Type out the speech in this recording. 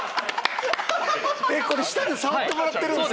これ下で触ってもらってるんですか？